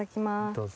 どうぞ。